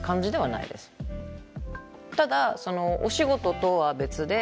ただお仕事とは別で。